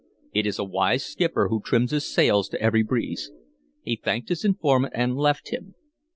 It is a wise skipper who trims his sails to every breeze. He thanked his informant and left him.